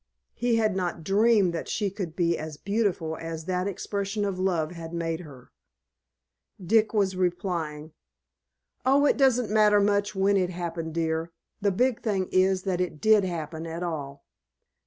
He had not dreamed that she could be as beautiful as that expression of love had made her. Dick was replying, "Oh, it doesn't much matter when it happened, dear. The big thing is that it did happen at all."